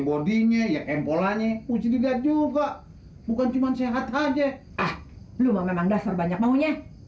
bodinya ya kempolannya pucit juga juga bukan cuma sehat aja lu memang dasar banyak maunya